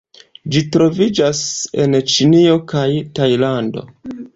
Ĝi troviĝas en Ĉinio kaj Tajlando.